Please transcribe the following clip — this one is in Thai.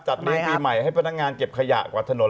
เลี้ยงปีใหม่ให้พนักงานเก็บขยะกวาดถนน